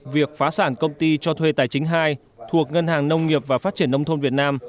việc phá sản công ty cho thuê tài chính hai thuộc ngân hàng nông nghiệp và phát triển nông thôn việt nam